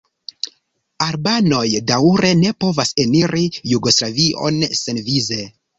Albanoj daŭre ne povas eniri Jugoslavion senvize.